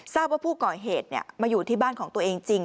ทราบว่าผู้ก่อเหตุมาอยู่ที่บ้านของตัวเองจริง